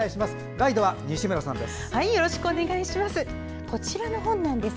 ガイドは西村さんです。